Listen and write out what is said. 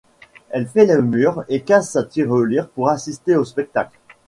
Elle fait le mur et casse sa tirelire pour assister au spectacle.